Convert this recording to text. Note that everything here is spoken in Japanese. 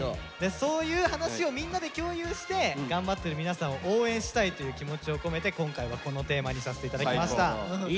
そういう話をみんなで共有して頑張ってる皆さんを応援したいという気持ちを込めて今回はこのテーマにさせて頂きました